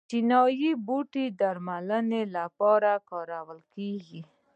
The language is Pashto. چینايي بوټي د درملنې لپاره کاریږي.